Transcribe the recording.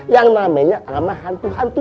yang namanya sama hantu hantu